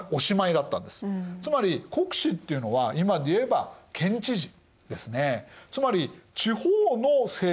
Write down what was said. つまり国司っていうのは今でいえば県知事ですね。